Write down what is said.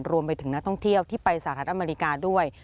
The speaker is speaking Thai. รวมไปถึงนักท่องเที่ยวที่ไปสหรัฐอเมริกาด้วย